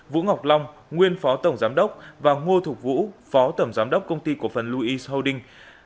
vũ ngọc long nguyên phó tổng giám đốc và ngô thục vũ phó tổng giám đốc công ty cổ phần louis holding